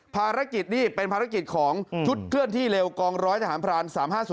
ภารกิจนี่เป็นภารกิจของชุดเคลื่อนที่เร็วกองร้อยทหารพราน๓๕๐